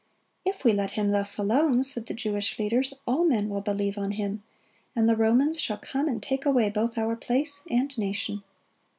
"If we let Him thus alone," said the Jewish leaders, "all men will believe on Him: and the Romans shall come and take away both our place and nation."